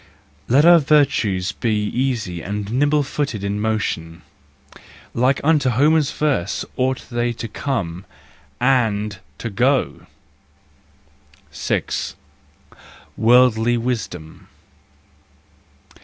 Let our virtues be easy and nimble footed in motion, Like unto Homer's verse ought they to come and to go. 6 . Worldly Wisdom.